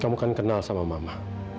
kamu kan kenal sama mama